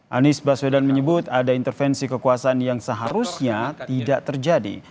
anies baswedan menyebut ada intervensi kekuasaan yang seharusnya tidak terjadi